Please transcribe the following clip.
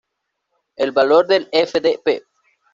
El valor del f.d.p.